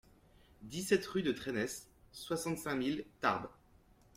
dix-sept rue de Traynès, soixante-cinq mille Tarbes